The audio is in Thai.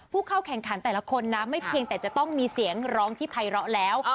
ผู้เข้าแข่งขันแต่ละคนนะไม่เพียงแต่จะต้องมีเสียงร้องที่ภัยร้อแล้ว